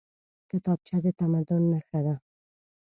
کتابچه د تمدن نښه ده